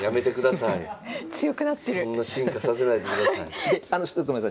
そんな進化させないでください。